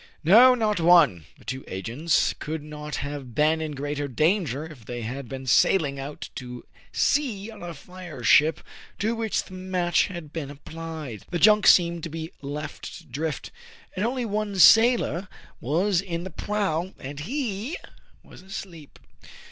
No, not one : the two agents could not have been in greater danger if they had been sailing out to sea on a fire ship to which the match had been applied. The junk seemed to be left to drift ; and only one sailor was in the prow, and he was asleep.